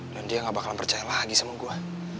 dan dia gak bakalan percaya lagi sama gue